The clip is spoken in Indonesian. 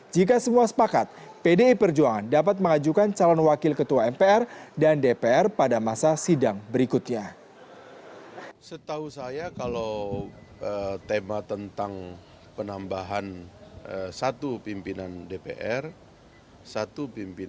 jika semua sepakat pdi perjuangan dapat mencari penambahan kursi pimpinan md tiga